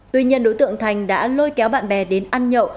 tuy nhiên đối tượng thành đã lôi kéo bạn bè đến ăn nhậu